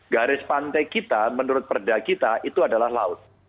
garis pantai kita menurut perda kita itu adalah laut